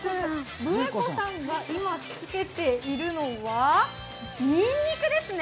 ブエコさんが今つけているのはにんにくですね。